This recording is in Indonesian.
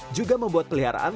bermain juga membuat peliharaan